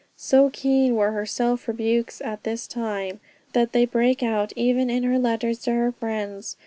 So keen were her self rebukes at this time, that they break out even in her letters to her friends.